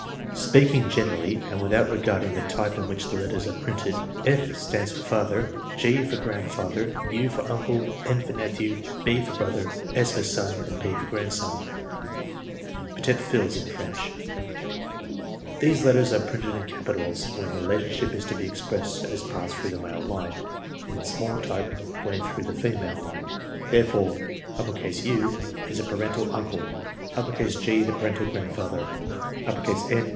Speaking generally, and without regarding the type in NOTATION 45 which the letters are printed, F. stands for Father ; G. for Grandfather; U. for Uncle; N. for Nephew; B. for Brother ; S. for Son ; and P. for Grandson (Petit fils in French). These letters are printed in capitals when the relation ship to be expressed has passed through the male line, and in small type when through the female line. There fore U. is the paternal uncle ; G. the paternal grandfather ; N.